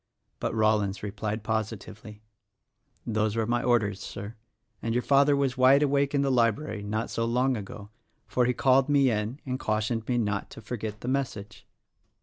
But Rollins replied positively, "Those were my orders, Sir; and your father was wide awake in the library not so long ago, for he called me in and cautioned me to not forget the message."